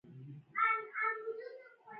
جناح ميډيکل سنټر کراچې کښې خدمات تر سره کړل